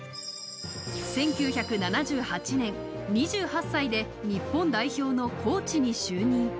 １９７８年、２８歳で日本代表のコーチに就任。